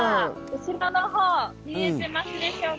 後ろの方見えていますでしょうか？